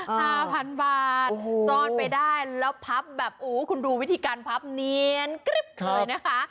ห้าพันบาทซ่อนไปได้แล้วพับแบบโอ้คุณดูวิธีการพับเนียนกริ๊บเลยนะคะ